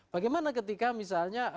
bagaimana ketika misalnya